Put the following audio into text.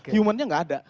human nya tidak ada